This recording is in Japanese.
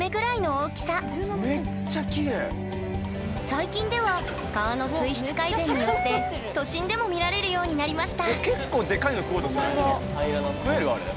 最近では川の水質改善によって都心でも見られるようになりましたでかいの食おうとするね。